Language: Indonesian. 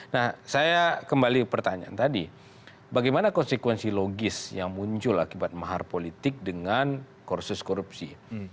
nah saya kembali pertanyaan tadi bagaimana konsekuensi logis yang muncul akibat mahar politik dengan kursus korupsi